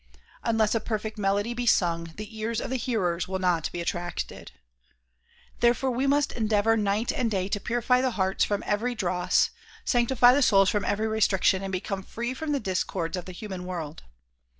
Unless a perfect melody be sung the ears of the hearers will not be attracted. Therefore we must endeavor night and day to purify the hearts from every dross, sanctify the souls from every restriction and become free from the discords of the human world.